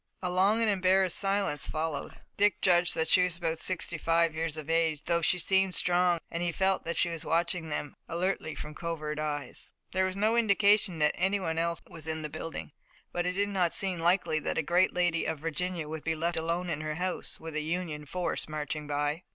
A long and embarrassed silence followed. Dick judged that she was about sixty five years of age, though she seemed strong and he felt that she was watching them alertly from covert eyes. There was no indication that anyone else was in the building, but it did not seem likely that a great lady of Virginia would be left alone in her house, with a Union force marching by.